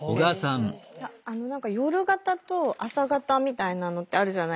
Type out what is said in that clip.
あの何かみたいなのってあるじゃないですか。